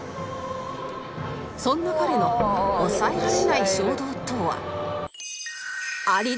そんな彼の抑えられない衝動とは